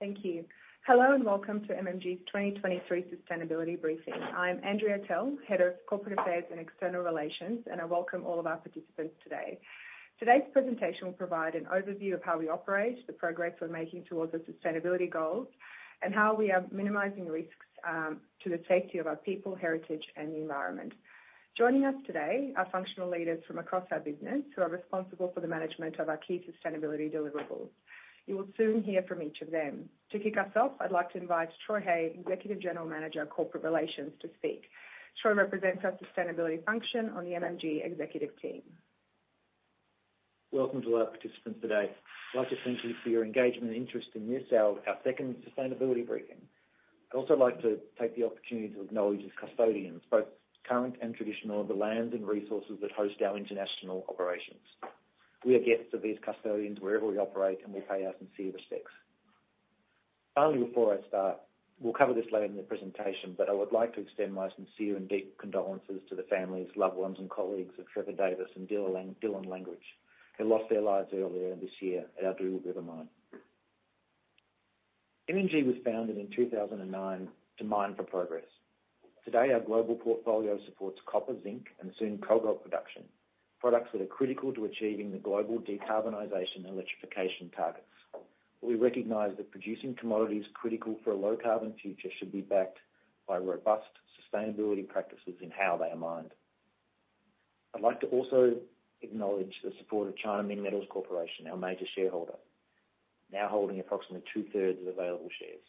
Thank you. Hello, and welcome to MMG's 2023 sustainability briefing. I'm Andrea Atell, Head of Corporate Affairs and External Relations, and I welcome all of our participants today. Today's presentation will provide an overview of how we operate, the progress we're making towards our sustainability goals, and how we are minimizing risks to the safety of our people, heritage, and the environment. Joining us today are functional leaders from across our business, who are responsible for the management of our key sustainability deliverables. You will soon hear from each of them. To kick us off, I'd like to invite Troy Hey, Executive General Manager, Corporate Relations, to speak. Troy represents our sustainability function on the MMG executive team. Welcome to our participants today. I'd like to thank you for your engagement and interest in this, our second sustainability briefing. I'd also like to take the opportunity to acknowledge the custodians, both current and traditional, of the lands and resources that host our international operations. We are guests of these custodians wherever we operate, and we pay our sincere respects. Finally, before I start, we'll cover this later in the presentation, but I would like to extend my sincere and deep condolences to the families, loved ones, and colleagues of Trevor Davis and Dylan Langridge, who lost their lives earlier this year at our Dugald River mine. MMG was founded in 2009 to mine for progress. Today, our global portfolio supports copper, zinc, and soon cobalt production, products that are critical to achieving the global decarbonization electrification targets. We recognize that producing commodities critical for a low-carbon future should be backed by robust sustainability practices in how they are mined. I'd like to also acknowledge the support of China Minmetals Corporation, our major shareholder, now holding approximately two-thirds of available shares.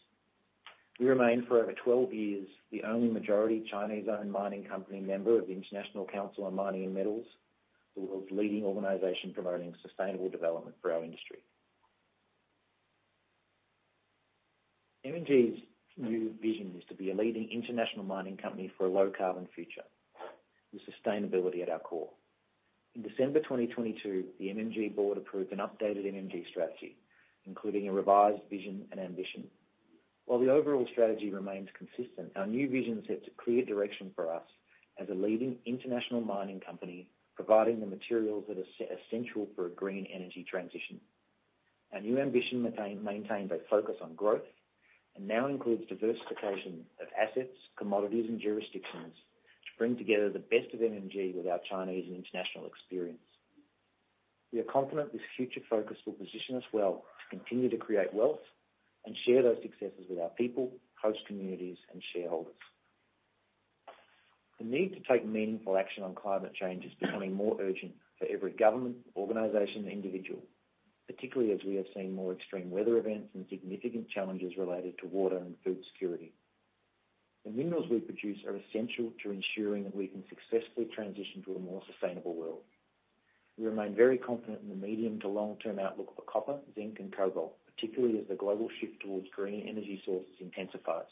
We remain for over 12 years, the only majority Chinese-owned mining company, member of the International Council on Mining and Metals, the world's leading organization promoting sustainable development for our industry. MMG's new vision is to be a leading international mining company for a low-carbon future, with sustainability at our core. In December 2022, the MMG board approved an updated MMG strategy, including a revised vision and ambition. While the overall strategy remains consistent, our new vision sets a clear direction for us as a leading international mining company, providing the materials that are essential for a green energy transition. Our new ambition maintains a focus on growth and now includes diversification of assets, commodities, and jurisdictions to bring together the best of MMG with our Chinese and international experience. We are confident this future focus will position us well to continue to create wealth and share those successes with our people, host communities, and shareholders. The need to take meaningful action on climate change is becoming more urgent for every government, organization, and individual, particularly as we have seen more extreme weather events and significant challenges related to water and food security. The minerals we produce are essential to ensuring that we can successfully transition to a more sustainable world. We remain very confident in the medium to long-term outlook for copper, zinc, and cobalt, particularly as the global shift towards green energy sources intensifies.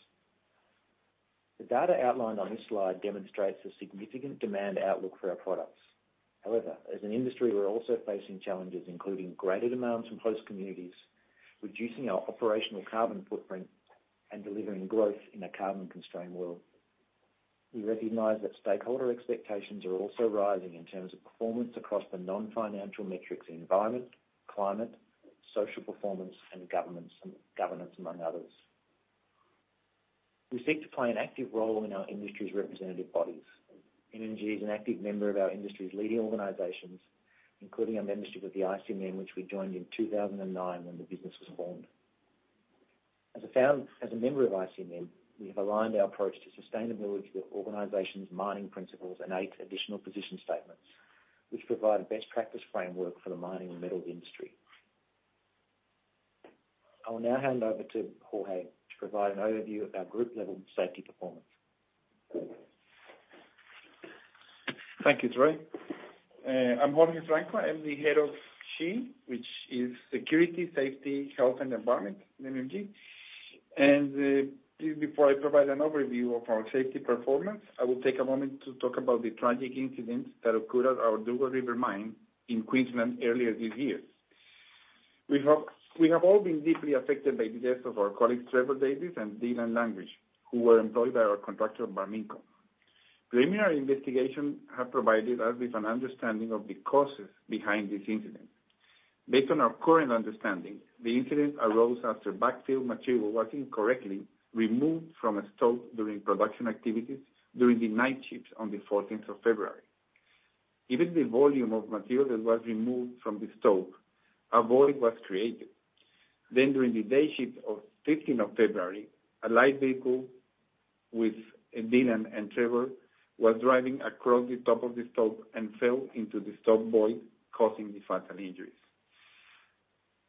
The data outlined on this slide demonstrates a significant demand outlook for our products. As an industry, we're also facing challenges, including greater demands from host communities, reducing our operational carbon footprint, and delivering growth in a carbon-constrained world. We recognize that stakeholder expectations are also rising in terms of performance across the non-financial metrics, environment, climate, social performance, and governance, among others. We seek to play an active role in our industry's representative bodies. MMG is an active member of our industry's leading organizations, including our membership with the ICMM, which we joined in 2009 when the business was formed. As a member of ICMM, we have aligned our approach to sustainability with the organization's mining principles and eight additional position statements, which provide a best practice framework for the mining and metals industry. I will now hand over to Jorge to provide an overview of our group-level safety performance. Thank you, Troy. I'm Jorge Franco. I'm the Head of SHE, which is Security, Safety, Health, and Environment in MMG. Please, before I provide an overview of our safety performance, I will take a moment to talk about the tragic incident that occurred at our Dugald River mine in Queensland earlier this year. We have all been deeply affected by the deaths of our colleagues, Trevor Davis and Dylan Langridge, who were employed by our contractor, Barminco. Preliminary investigation have provided us with an understanding of the causes behind this incident. Based on our current understanding, the incident arose after backfill material was incorrectly removed from a stope during production activities during the night shift on the February 14th. Given the volume of material that was removed from the stope, a void was created. During the day shift of February 15th, a light vehicle with Dylan and Trevor was driving across the top of the stope and fell into the stope void, causing the fatal injuries.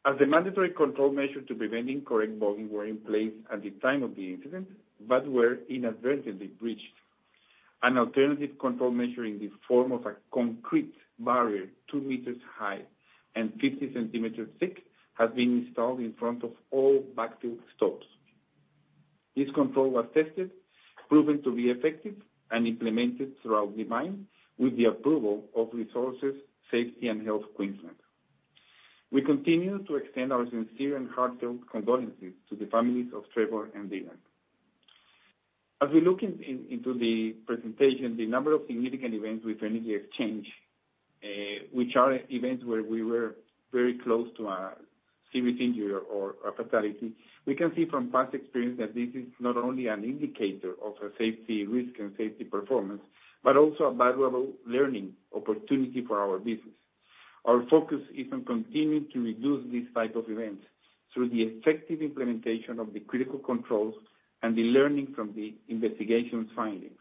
As a mandatory control measure to prevent incorrect voiding were in place at the time of the incident, but were inadvertently breached. An alternative control measure in the form of a concrete barrier, 2 m high and 50 cm thick, has been installed in front of all backfill stopes. This control was tested, proven to be effective, and implemented throughout the mine with the approval of Resources Safety & Health Queensland. We continue to extend our sincere and heartfelt condolences to the families of Trevor and Dylan. As we look into the presentation, the number of significant events with energy exchange, which are events where we were very close to a serious injury or a fatality, we can see from past experience that this is not only an indicator of a safety risk and safety performance, but also a valuable learning opportunity for our business. Our focus is on continuing to reduce these type of events through the effective implementation of the critical controls and the learning from the investigation's findings.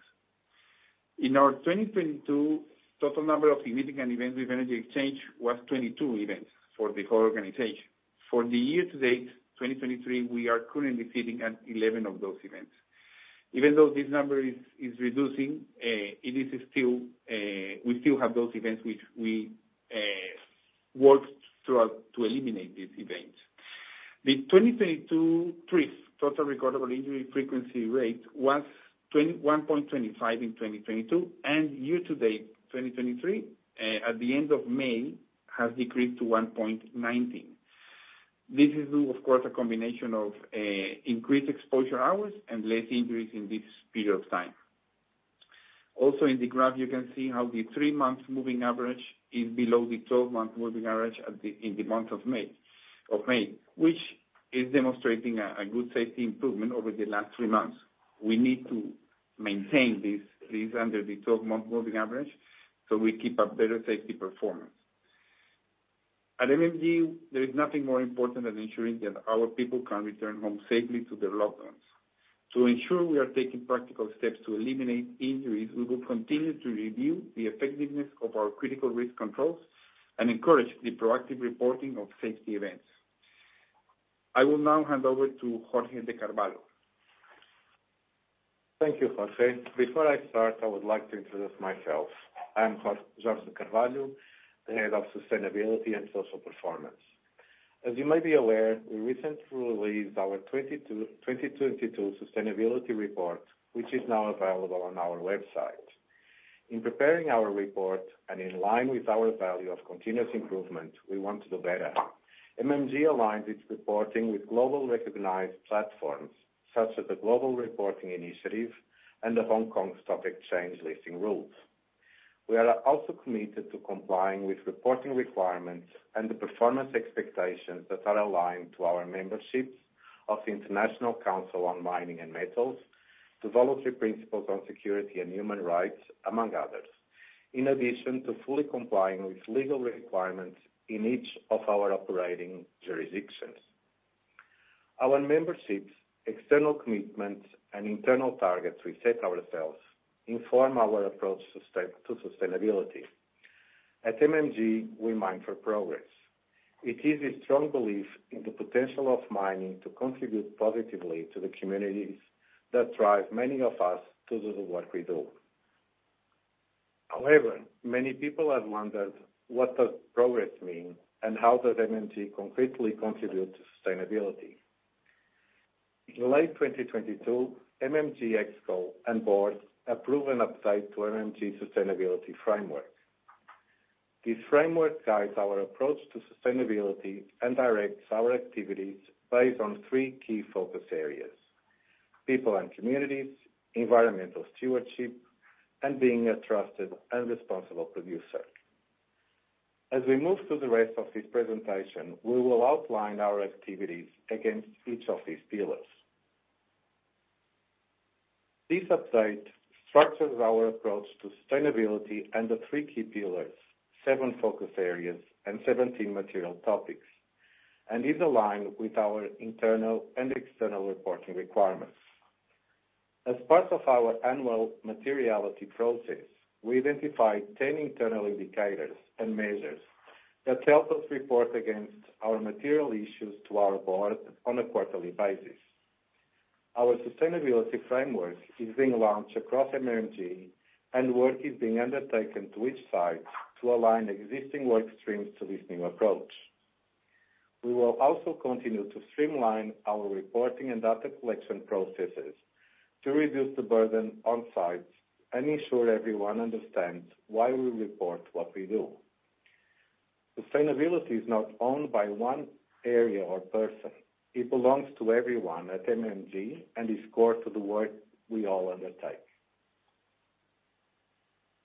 In our 2022, total number of significant events with energy exchange was 22 events for the whole organization. For the year to date, 2023, we are currently sitting at 11 of those events. Even though this number is reducing, it is still, we still have those events which we work throughout to eliminate these events. The 2022 TRIF, Total Recordable Injury Frequency rate, was 21.25 in 2022, and year to date, 2023, at the end of May, has decreased to 1.19. This is, of course, a combination of increased exposure hours and less injuries in this period of time. Also, in the graph, you can see how the three-month moving average is below the 12-month moving average in the month of May, which is demonstrating a good safety improvement over the last three months. We need to maintain this under the 12-month moving average, so we keep a better safety performance. At MMG, there is nothing more important than ensuring that our people can return home safely to their loved ones. To ensure we are taking practical steps to eliminate injuries, we will continue to review the effectiveness of our critical risk controls and encourage the proactive reporting of safety events. I will now hand over to Jorge de Carvalho. Thank you, Jorge. Before I start, I would like to introduce myself. I am Jorge Carvalho, the Head of Sustainability and Social Performance. As you may be aware, we recently released our 2022 sustainability report, which is now available on our website. In preparing our report, and in line with our value of continuous improvement, we want to do better. MMG aligns its reporting with global recognized platforms, such as the Global Reporting Initiative and the Hong Kong Stock Exchange Listing Rules. We are also committed to complying with reporting requirements and the performance expectations that are aligned to our memberships of the International Council on Mining and Metals, the Voluntary Principles on Security and Human Rights, among others, in addition to fully complying with legal requirements in each of our operating jurisdictions. Our memberships, external commitments, and internal targets we set ourselves inform our approach to sustainability. At MMG, we mine for progress. It is a strong belief in the potential of mining to contribute positively to the communities that drive many of us to do the work we do. However, many people have wondered, what does progress mean, and how does MMG concretely contribute to sustainability? In late 2022, MMG ExCo and board approved an update to MMG's sustainability framework. This framework guides our approach to sustainability and directs our activities based on three key focus areas: people and communities, environmental stewardship, and being a trusted and responsible producer. As we move through the rest of this presentation, we will outline our activities against each of these pillars. This update structures our approach to sustainability and the three key pillars, seven focus areas, and 17 material topics, is aligned with our internal and external reporting requirements. As part of our annual materiality process, we identify 10 internal indicators and measures that help us report against our material issues to our board on a quarterly basis. Our sustainability framework is being launched across MMG, work is being undertaken to each site to align existing work streams to this new approach. We will also continue to streamline our reporting and data collection processes to reduce the burden on sites and ensure everyone understands why we report what we do. Sustainability is not owned by 1 area or person. It belongs to everyone at MMG and is core to the work we all undertake.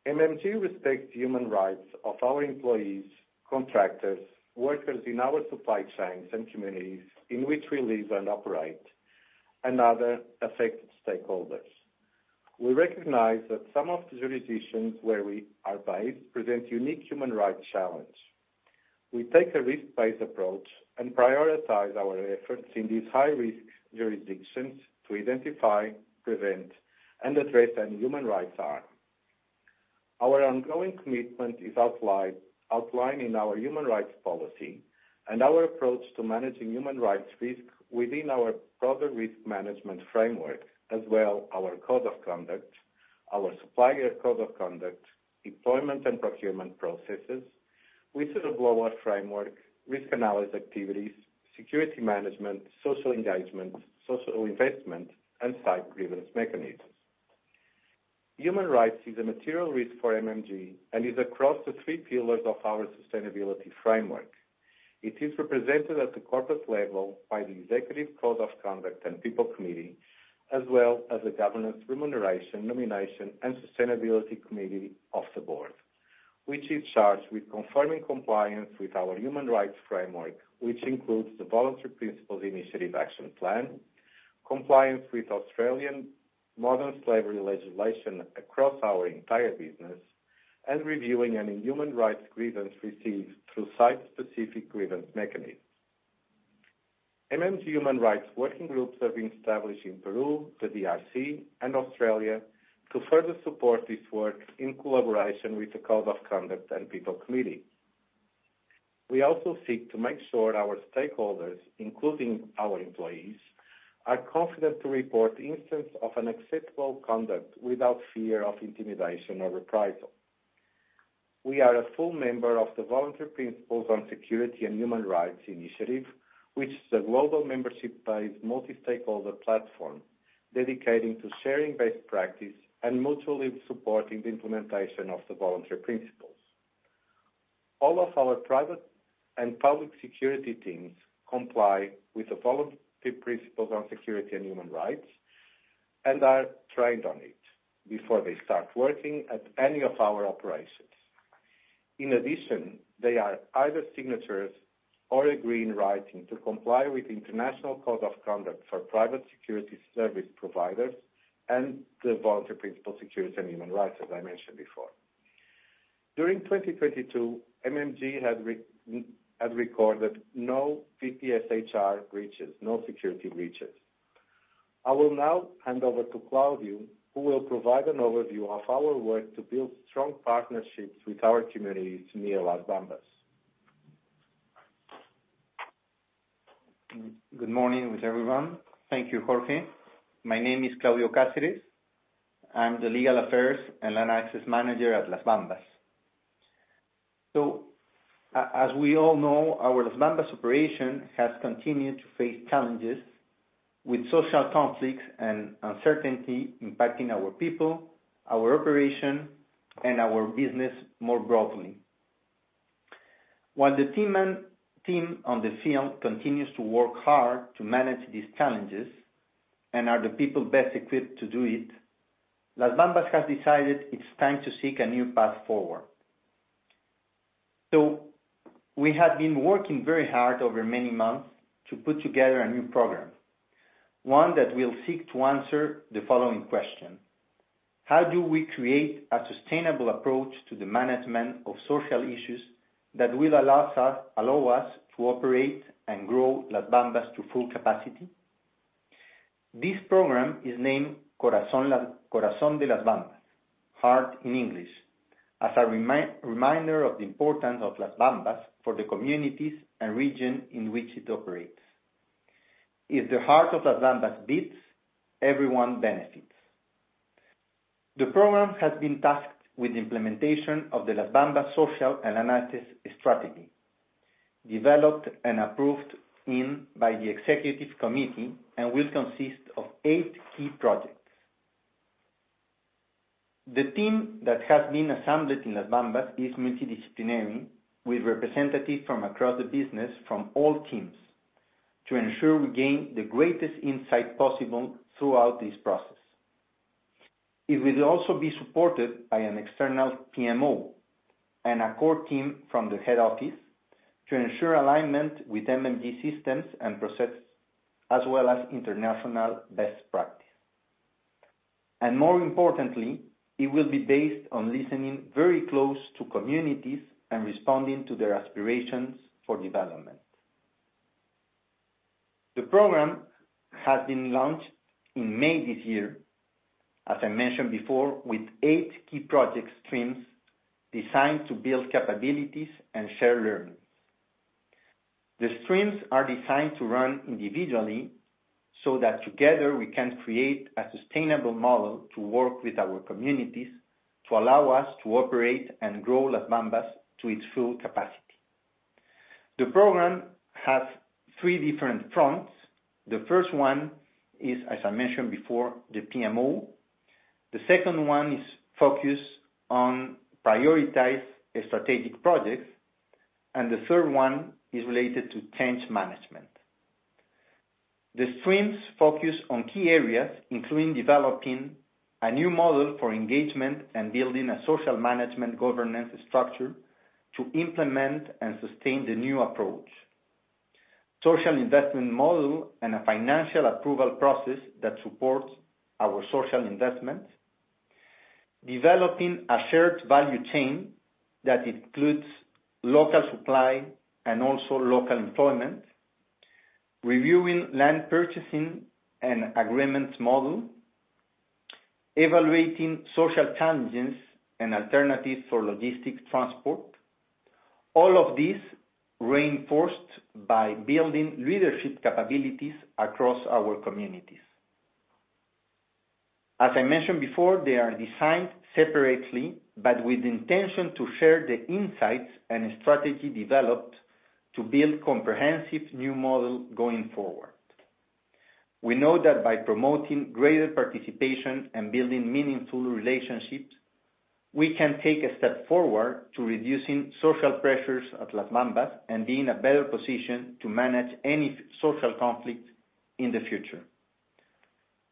MMG respects human rights of our employees, contractors, workers in our supply chains and communities in which we live and operate, and other affected stakeholders. We recognize that some of the jurisdictions where we are based present unique human rights challenge. We take a risk-based approach and prioritize our efforts in these high-risk jurisdictions to identify, prevent, and address any human rights harm. Our ongoing commitment is outlined in our human rights policy and our approach to managing human rights risk within our broader risk management framework, as well our code of conduct, our supplier code of conduct, employment and procurement processes, whistleblower framework, risk analysis activities, security management, social engagement, social investment, and site grievance mechanisms. Human rights is a material risk for MMG, and is across the three pillars of our sustainability framework. It is represented at the corporate level by the Executive Code of Conduct and People Committee, as well as the Governance, Remuneration, Nomination and Sustainability Committee of the board, which is charged with confirming compliance with our human rights framework, which includes the Voluntary Principles Initiative Action Plan, compliance with Australian modern slavery legislation across our entire business, and reviewing any human rights grievance received through site-specific grievance mechanisms. MMG Human Rights working groups have been established in Peru, the DRC, and Australia, to further support this work in collaboration with the Code of Conduct and People Committee. We also seek to make sure our stakeholders, including our employees, are confident to report instances of unacceptable conduct without fear of intimidation or reprisal. We are a full member of the Voluntary Principles on Security and Human Rights Initiative, which is a global membership-based, multi-stakeholder platform dedicated to sharing best practice and mutually supporting the implementation of the Voluntary Principles. All of our private and public security teams comply with the Voluntary Principles on Security and Human Rights, and are trained on it before they start working at any of our operations. In addition, they are either signatories or agree in writing to comply with the International Code of Conduct for Private Security Service Providers and the Voluntary Principles on Security and Human Rights, as I mentioned before. During 2022, MMG had recorded no PPSHR breaches, no security breaches. I will now hand over to Claudio, who will provide an overview of our work to build strong partnerships with our communities near Las Bambas. Good morning, everyone. Thank you, Jorge. My name is Claudio Cáceres. I'm the Legal Affairs and Land Access Manager at Las Bambas. As we all know, our Las Bambas operation has continued to face challenges with social conflicts and uncertainty impacting our people, our operation, and our business more broadly. While the team on the field continues to work hard to manage these challenges, and are the people best equipped to do it, Las Bambas has decided it's time to seek a new path forward. We have been working very hard over many months to put together a new program, one that will seek to answer the following question: How do we create a sustainable approach to the management of social issues that will allow us to operate and grow Las Bambas to full capacity? This program is named Corazón de Las Bambas, Heart in English, as a reminder of the importance of Las Bambas for the communities and region in which it operates. If the heart of Las Bambas beats, everyone benefits. The program has been tasked with the implementation of the Las Bambas social and analysis strategy, developed and approved in by the Executive Committee, and will consist of eight key projects. The team that has been assembled in Las Bambas is multidisciplinary, with representatives from across the business from all teams, to ensure we gain the greatest insight possible throughout this process. It will also be supported by an external PMO and a core team from the head office, to ensure alignment with MMG systems and processes, as well as international best practice. More importantly, it will be based on listening very close to communities and responding to their aspirations for development. The program has been launched in May this year, as I mentioned before, with 8 key project streams designed to build capabilities and share learnings. The streams are designed to run individually, so that together we can create a sustainable model to work with our communities, to allow us to operate and grow Las Bambas to its full capacity. The program has three different fronts. The first one is, as I mentioned before, the PMO. The second one is focused on prioritize strategic projects, and the third one is related to change management. The streams focus on key areas, including developing a new model for engagement and building a social management governance structure to implement and sustain the new approach. Social investment model and a financial approval process that supports our social investment. Developing a shared value chain that includes local supply and also local employment. Reviewing land purchasing and agreements model. Evaluating social challenges and alternatives for logistics transport. All of this reinforced by building leadership capabilities across our communities. As I mentioned before, they are designed separately, but with the intention to share the insights and strategy developed to build comprehensive new model going forward. We know that by promoting greater participation and building meaningful relationships, we can take a step forward to reducing social pressures at Las Bambas and be in a better position to manage any social conflict in the future.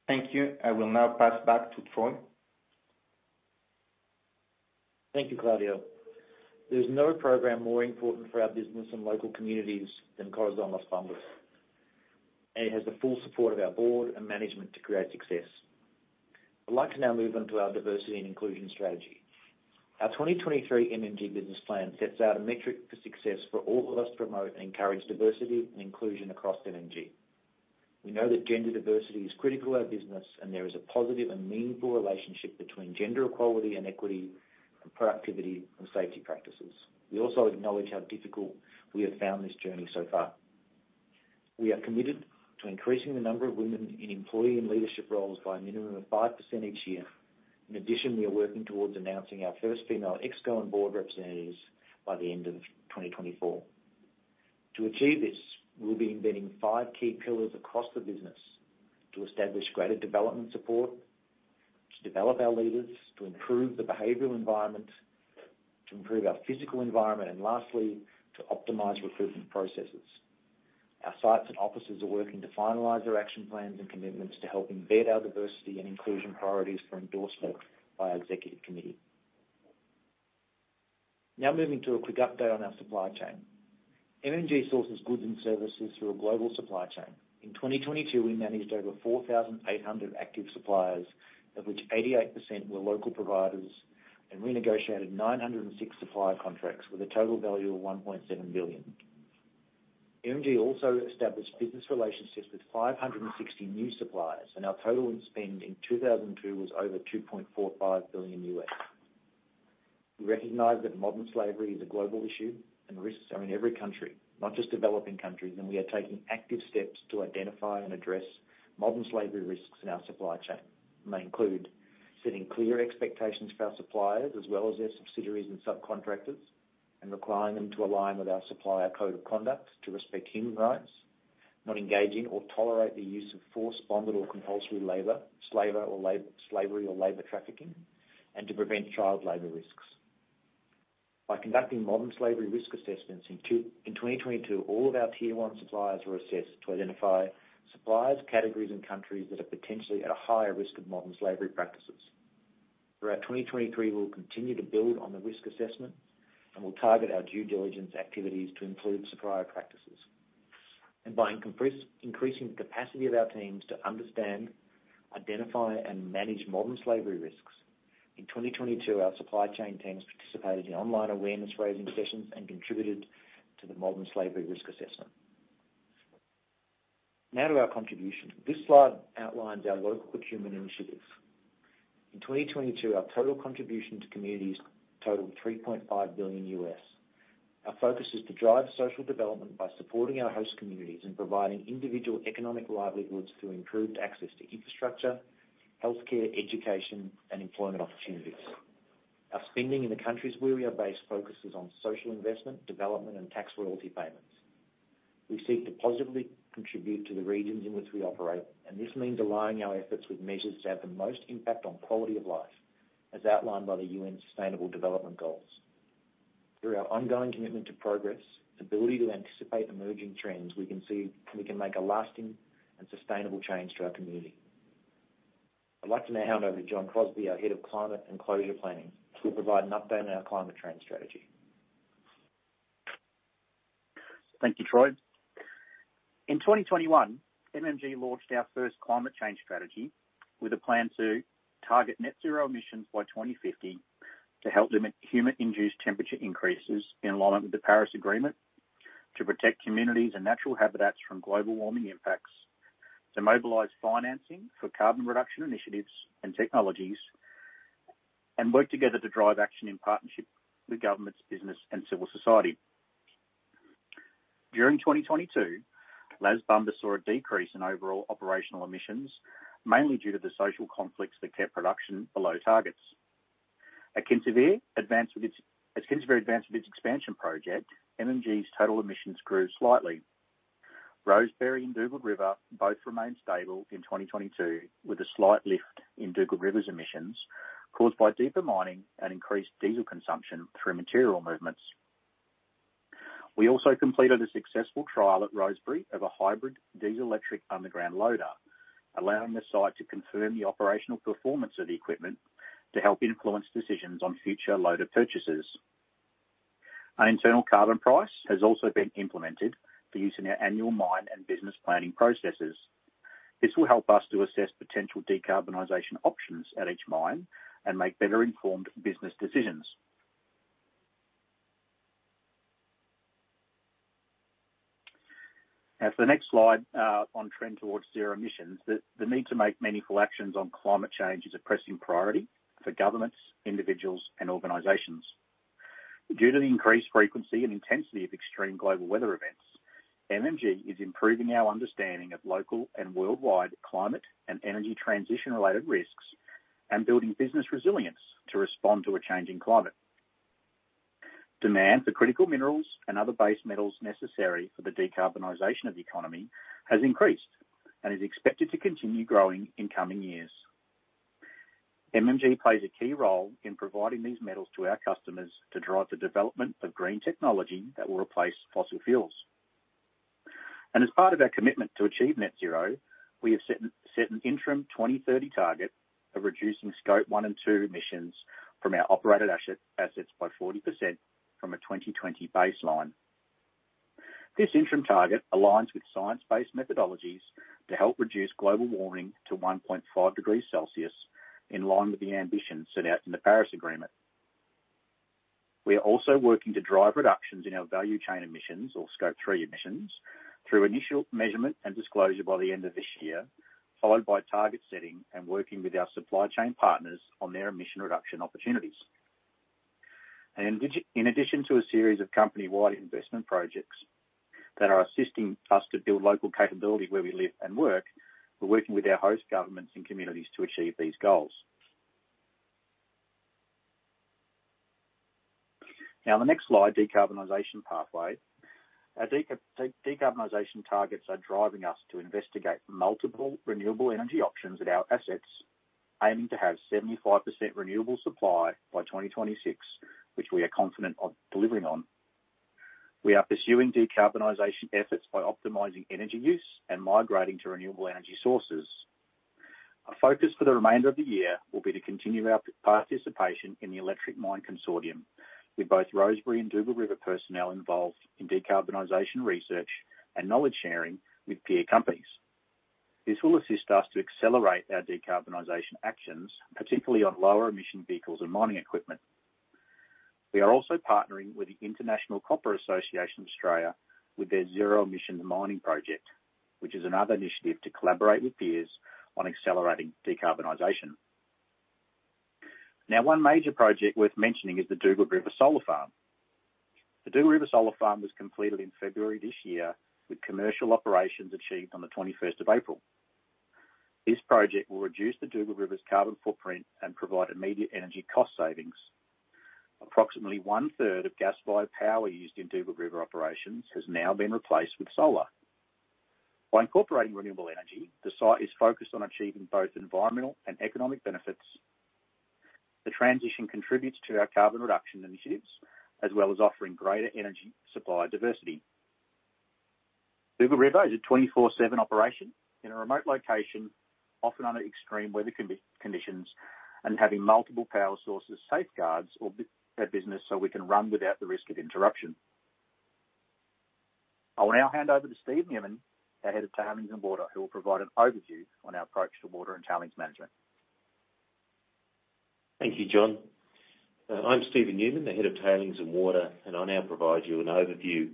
Thank you. I will now pass back to Troy. Thank you, Claudio. There's no program more important for our business and local communities than Corazón de Las Bambas, It has the full support of our board and management to create success. I'd like to now move on to our diversity and inclusion strategy. Our 2023 MMG business plan sets out a metric for success for all of us to promote and encourage diversity and inclusion across MMG. We know that gender diversity is critical to our business, There is a positive and meaningful relationship between gender equality and equity, and productivity and safety practices. We also acknowledge how difficult we have found this journey so far. We are committed to increasing the number of women in employee and leadership roles by a minimum of 5% each year. We are working towards announcing our first female ExCo and board representatives by the end of 2024. To achieve this, we'll be embedding five key pillars across the business: to establish greater development support, to develop our leaders, to improve the behavioral environment, to improve our physical environment, and lastly, to optimize recruitment processes. Our sites and offices are working to finalize their action plans and commitments to help embed our diversity and inclusion priorities for endorsement by our executive committee. Moving to a quick update on our supply chain. MMG sources goods and services through a global supply chain. In 2022, we managed over 4,800 active suppliers, of which 88% were local providers, and renegotiated 906 supplier contracts with a total value of $1.7 billion. MMG also established business relationships with 560 new suppliers. Our total in spend in 2002 was over $2.45 billion. We recognize that modern slavery is a global issue, and risks are in every country, not just developing countries, and we are taking active steps to identify and address modern slavery risks in our supply chain. They include setting clear expectations for our suppliers, as well as their subsidiaries and subcontractors, and requiring them to align with our supplier code of conduct to respect human rights, not engaging or tolerate the use of forced, bonded, or compulsory labor, slavery or labor trafficking, and to prevent child labor risks. By conducting modern slavery risk assessments in 2022, all of our tier 1 suppliers were assessed to identify suppliers, categories, and countries that are potentially at a higher risk of modern slavery practices. Throughout 2023, we'll continue to build on the risk assessment, we'll target our due diligence activities to include supplier practices. By increasing the capacity of our teams to understand, identify, and manage modern slavery risks, in 2022, our supply chain teams participated in online awareness-raising sessions and contributed to the modern slavery risk assessment. Now to our contributions. This slide outlines our local human initiatives. In 2022, our total contribution to communities totaled $3.5 billion. Our focus is to drive social development by supporting our host communities and providing individual economic livelihoods through improved access to infrastructure, healthcare, education, and employment opportunities. Our spending in the countries where we are based focuses on social investment, development, and tax royalty payments. We seek to positively contribute to the regions in which we operate. This means aligning our efforts with measures that have the most impact on quality of life, as outlined by the UN Sustainable Development Goals. Through our ongoing commitment to progress, ability to anticipate emerging trends, we can make a lasting and sustainable change to our community. I'd like to now hand over to Jon Cosby, our Head of Climate and Closure Planning, to provide an update on our climate change strategy. Thank you, Troy. In 2021, MMG launched our first climate change strategy with a plan to target net zero emissions by 2050, to help limit human-induced temperature increases in alignment with the Paris Agreement, to protect communities and natural habitats from global warming impacts, to mobilize financing for carbon reduction initiatives and technologies, and work together to drive action in partnership with governments, business, and civil society. During 2022, Las Bambas saw a decrease in overall operational emissions, mainly due to the social conflicts that kept production below targets. As Kinsevere advanced with its expansion project, MMG's total emissions grew slightly. Rosebery and Dugald River both remained stable in 2022, with a slight lift in Dugald River's emissions caused by deeper mining and increased diesel consumption through material movements. We also completed a successful trial at Rosebery of a hybrid diesel electric underground loader, allowing the site to confirm the operational performance of the equipment to help influence decisions on future loader purchases. An internal carbon price has also been implemented for use in our annual mine and business planning processes. This will help us to assess potential decarbonization options at each mine and make better-informed business decisions. For the next slide on trend towards zero emissions. The need to make meaningful actions on climate change is a pressing priority for governments, individuals, and organizations. Due to the increased frequency and intensity of extreme global weather events, MMG is improving our understanding of local and worldwide climate and energy transition-related risks, and building business resilience to respond to a changing climate... Demand for critical minerals and other base metals necessary for the decarbonization of the economy has increased and is expected to continue growing in coming years. MMG plays a key role in providing these metals to our customers to drive the development of green technology that will replace fossil fuels. As part of our commitment to achieve net zero, we have set an interim 2030 target of reducing scope one and two emissions from our operated assets by 40% from a 2020 baseline. This interim target aligns with science-based methodologies to help reduce global warming to 1.5 degrees Celsius, in line with the ambitions set out in the Paris Agreement. We are also working to drive reductions in our value chain emissions, or scope three emissions, through initial measurement and disclosure by the end of this year, followed by target setting and working with our supply chain partners on their emission reduction opportunities. In addition to a series of company-wide investment projects that are assisting us to build local capability where we live and work, we're working with our host, governments, and communities to achieve these goals. The next slide, Decarbonization Pathway. Our decarbonization targets are driving us to investigate multiple renewable energy options at our assets, aiming to have 75% renewable supply by 2026, which we are confident of delivering on. We are pursuing decarbonization efforts by optimizing energy use and migrating to renewable energy sources. Our focus for the remainder of the year will be to continue our participation in the Electric Mine Consortium, with both Rosebery and Dugald River personnel involved in decarbonization research and knowledge sharing with peer companies. This will assist us to accelerate our decarbonization actions, particularly on lower emission vehicles and mining equipment. We are also partnering with the International Copper Association Australia with their Zero Emission Mining project, which is another initiative to collaborate with peers on accelerating decarbonization. One major project worth mentioning is the Dugald River Solar Farm. The Dugald River Solar Farm was completed in February this year, with commercial operations achieved on the 21st of April. This project will reduce the Dugald River's carbon footprint and provide immediate energy cost savings. Approximately one-third of gas-fired power used in Dugald River operations has now been replaced with solar. By incorporating renewable energy, the site is focused on achieving both environmental and economic benefits. The transition contributes to our carbon reduction initiatives, as well as offering greater energy supply diversity. Dugald River is a 24/7 operation in a remote location, often under extreme weather conditions, and having multiple power sources, safeguards our business, so we can run without the risk of interruption. I will now hand over to Steve Newman, our Head of Tailings and Water, who will provide an overview on our approach to water and tailings management. Thank you, Jon. I'm Steven Newman, the Head of Tailings and Water. I'll now provide you an overview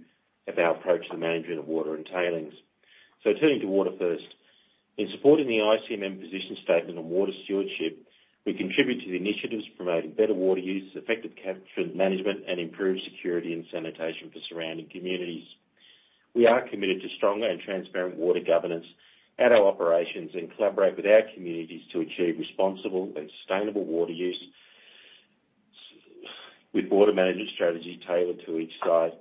of our approach to the management of water and tailings. Turning to water first. In supporting the ICMM Position Statement on Water Stewardship, we contribute to the initiatives promoting better water use, effective catchment management, and improved security and sanitation for surrounding communities. We are committed to stronger and transparent water governance at our operations and collaborate with our communities to achieve responsible and sustainable water use, with water management strategy tailored to each site.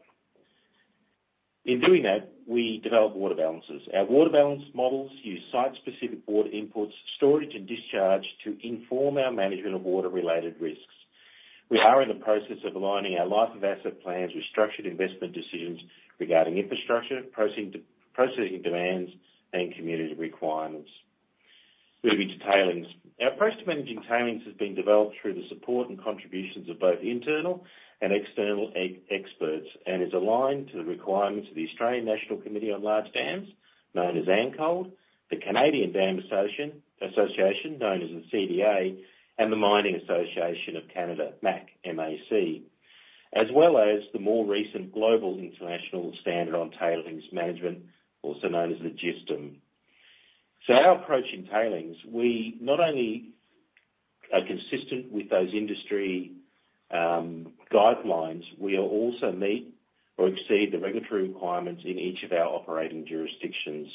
In doing that, we develop water balances. Our water balance models use site-specific water inputs, storage, and discharge to inform our management of water-related risks. We are in the process of aligning our life of asset plans with structured investment decisions regarding infrastructure, proceeding demands, and community requirements. Moving to tailings. Our approach to managing tailings has been developed through the support and contributions of both internal and external experts, and is aligned to the requirements of the Australian National Committee on Large Dams, known as ANCOLD, the Canadian Dam Association, known as the CDA, and the Mining Association of Canada, MAC, M-A-C, as well as the more recent Global Industry Standard on Tailings Management, also known as the GISTM. Our approach in tailings, we not only are consistent with those industry guidelines, we are also meet or exceed the regulatory requirements in each of our operating jurisdictions.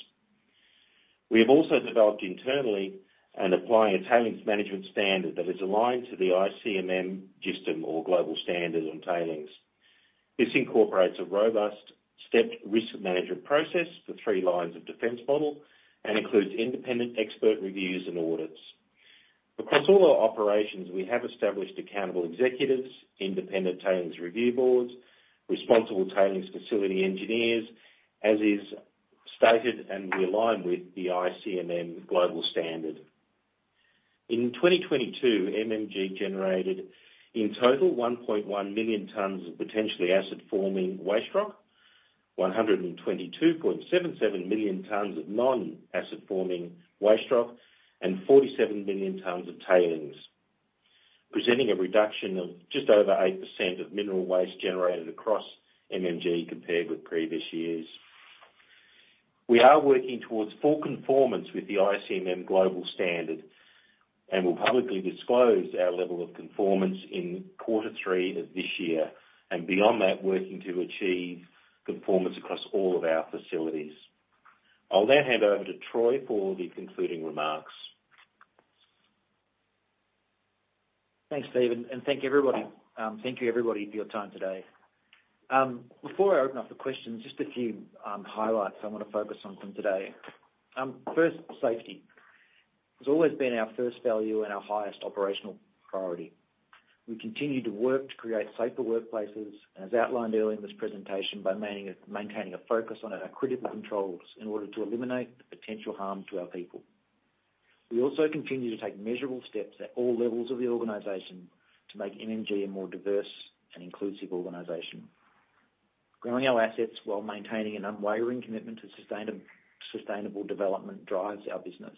We have also developed internally and applying a tailings management standard that is aligned to the ICMM GISTM or Global Standard on Tailings. This incorporates a robust stepped risk management process, the three lines of defense model, and includes independent expert reviews and audits. Across all our operations, we have established accountable executives, independent tailings review boards, responsible tailings facility engineers, as is stated and we align with the ICMM global standard. In 2022, MMG generated in total 1.1 million tons of potentially acid-forming waste rock, 122.77 million tons of non-acid-forming waste rock, and 47 million tons of tailings, presenting a reduction of just over 8% of mineral waste generated across MMG compared with previous years. We are working towards full conformance with the ICMM global standard, and will publicly disclose our level of conformance in quarter three of this year, and beyond that, working to achieve conformance across all of our facilities. I'll now hand over to Troy for the concluding remarks. Thanks, Steve, and thank you, everybody. Thank you, everybody, for your time today. Before I open up the questions, just a few highlights I want to focus on from today. First, safety. It's always been our first value and our highest operational priority. We continue to work to create safer workplaces. As outlined earlier in this presentation, by maintaining a focus on our critical controls in order to eliminate the potential harm to our people. We also continue to take measurable steps at all levels of the organization to make MMG a more diverse and inclusive organization. Growing our assets while maintaining an unwavering commitment to sustainable development drives our business.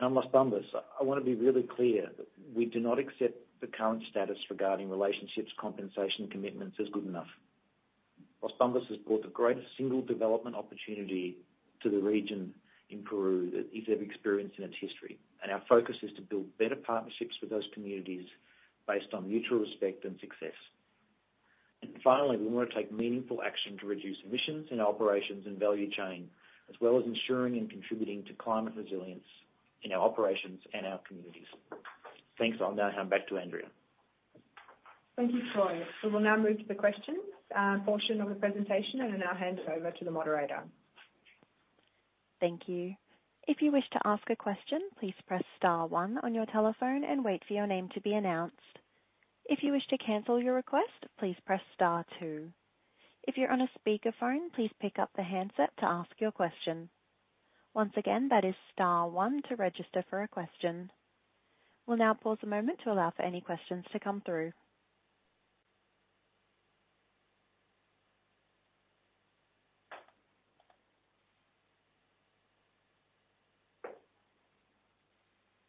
On Las Bambas, I want to be really clear that we do not accept the current status regarding relationships, compensation, and commitments as good enough. Las Bambas has brought the greatest single development opportunity to the region in Peru that it's ever experienced in its history. Our focus is to build better partnerships with those communities based on mutual respect and success. Finally, we want to take meaningful action to reduce emissions in our operations and value chain, as well as ensuring and contributing to climate resilience in our operations and our communities. Thanks. I'll now hand back to Andrea. Thank you, Troy. We will now move to the questions portion of the presentation. I'll now hand it over to the moderator. Thank you. If you wish to ask a question, please press star one on your telephone and wait for your name to be announced. If you wish to cancel your request, please press star two. If you're on a speakerphone, please pick up the handset to ask your question. Once again, that is star one to register for a question. We'll now pause a moment to allow for any questions to come through.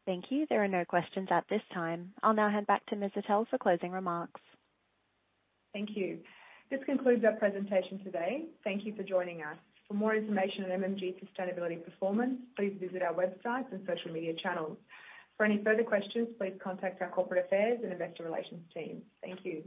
Thank you. There are no questions at this time. I'll now hand back to Ms. Atell for closing remarks. Thank you. This concludes our presentation today. Thank you for joining us. For more information on MMG's sustainability performance, please visit our website and social media channels. For any further questions, please contact our corporate affairs and investor relations team. Thank you.